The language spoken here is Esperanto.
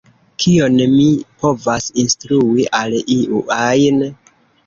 Kion mi povas instrui al iu ajn?